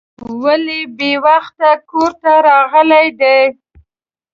ولې بې وخته کور ته راغلی دی.